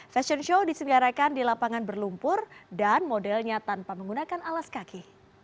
fashion show disenggarakan di lapangan berlumpur dan modelnya tanpa menggunakan alas kaki